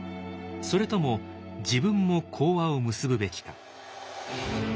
それとも自分も講和を結ぶべきか。